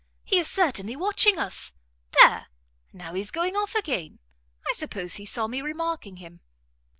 He is certainly watching us. There! now he's going off again! I suppose he saw me remarking him."